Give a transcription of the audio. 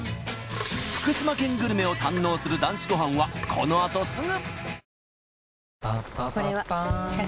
福島県グルメを堪能する『男子ごはん』はこのあとすぐ！